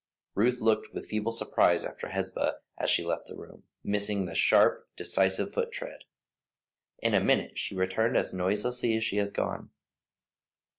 Ruth looked with a feeble surprise after Hesba as she left the room, missing the sharp, decisive foot tread. In a minute she returned as noiselessly as she had gone.